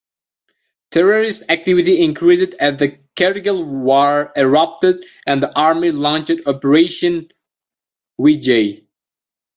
Terrorist activity increased as the Kargil war erupted and the Army launched Operation Vijay.